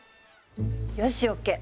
よしＯＫ！